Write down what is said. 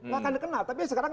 nggak akan dikenal tapi sekarang